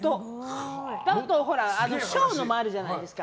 ショーのもあるじゃないですか。